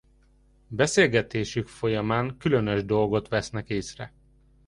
Beszélgetésük folyamán különös dolgot vesznek észre.